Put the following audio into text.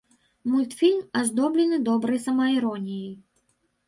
Мультфільм аздоблены добрай самаіроніяй.